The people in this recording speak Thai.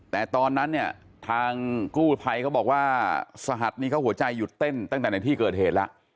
และตอนนั้นยัซัททานกู้ภัยเค้าบอกว่าสหัสหัวใจหยุดเต้นตั้งแต่ในที่เกิดเหตุแล้ว